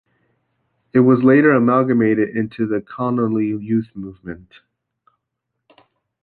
It was later amalgamated into the Connolly Youth Movement.